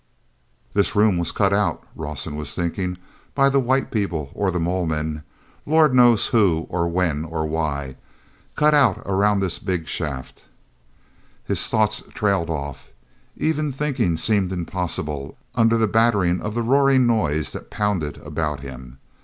"This room was cut out," Rawson was thinking, "by the white people or the mole men—Lord knows who, or when, or why. Cut out around this big shaft...." His thoughts trailed off. Even thinking seemed impossible under the battering of the roaring noise that pounded about him.